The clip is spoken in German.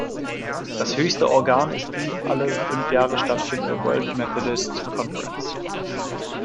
Das höchste Organ ist die alle fünf Jahre stattfindende World Methodist Conference.